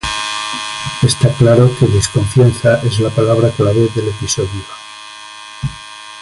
Está claro que desconfianza es la palabra clave del episodio.